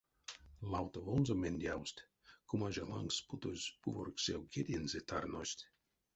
Лавтовонзо мендявсть, кумажа лангс путозь пуворьксэв кедензэ тарность.